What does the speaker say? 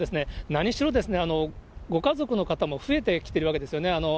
何しろご家族の方も増えてきているわけですよね。